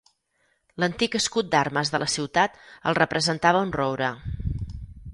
L'antic escut d'armes de la ciutat el representava un roure.